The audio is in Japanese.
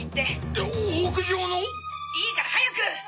お屋上の⁉いいから早く！